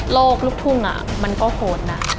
ลูกทุ่งมันก็โหดนะ